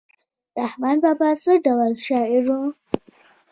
رحمان بابا څه ډول شاعر و؟